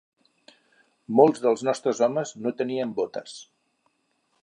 Molts dels nostres homes no tenien botes